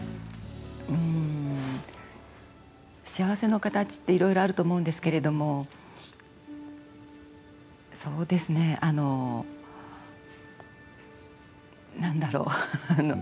うーん幸せの形って、いろいろあると思うんですけれどもそうですね、あのなんだろう？